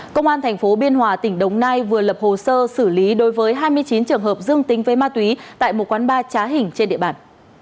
công an tp biên hòa tỉnh đồng nai vừa lập hồ sơ xử lý đối với hai mươi chín trường hợp dương tính với ma túy tại một quán ba trá hình trên địa bàn